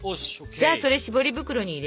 じゃあそれしぼり袋に入れちゃって。